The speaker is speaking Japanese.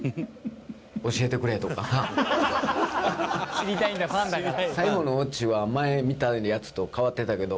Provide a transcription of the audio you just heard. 「知りたいんだファンだから」